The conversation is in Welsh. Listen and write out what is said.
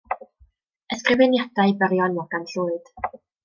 Ysgrifeniadau byrion Morgan Llwyd.